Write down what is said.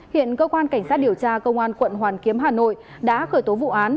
hiện cơ quan cảnh sát điều tra công an quận hoàn kiếm hà nội đã khởi tố vụ án